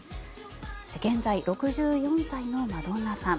現在６４歳のマドンナさん。